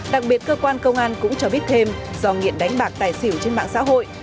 đặc biệt cơ quan công an cũng cho biết thêm do nghiện đánh bạc tài xỉu trên mạng xã hội